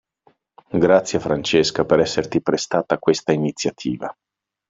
Grazie Francesca per esserti prestata a questa iniziativa.